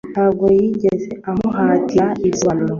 Ntabwo yigeze amuhatira ibisobanuro.